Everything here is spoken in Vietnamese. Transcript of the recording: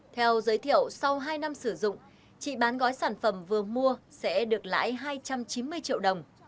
theo giới thiệu sau hai năm sử dụng chị bán gói sản phẩm vừa mua sẽ được lãi hai trăm chín mươi triệu đồng